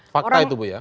fakta itu bu ya